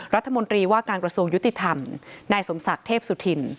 รัฐมนตรีว่าการกระทรวงยุติธรรมนายสมศักดิ์เทพสุธิน